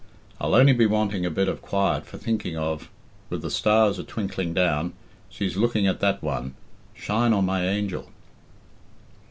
I'll only be wanting a bit of quiet for thinking of.... with the stars atwinkling down.... She's looking at that one.... Shine on my angel...."